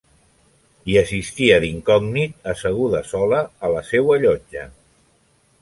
Hi assistia d'incògnit, asseguda sola a la seua llotja.